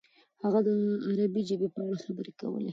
هغه د عربي ژبې په اړه خبرې کولې.